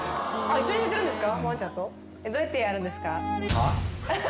一緒に寝てるんですか。